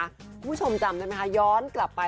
คุณผู้ชมจำได้ไหมคะย้อนกลับไป